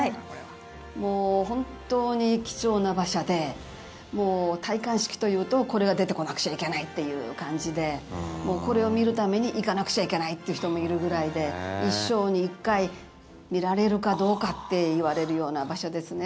もう本当に貴重な馬車で戴冠式というとこれが出てこなくちゃいけないっていう感じでもうこれを見るために行かなくちゃいけないっていう人もいるぐらいで一生に１回見られるかどうかっていわれるような馬車ですね。